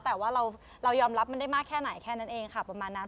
แต่ว่าเรายอมรับมันได้มากแค่ไหนแค่นั้นเองค่ะประมาณนั้น